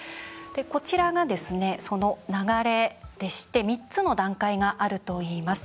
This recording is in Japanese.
こちらが、その流れでして３つの段階があるといいます。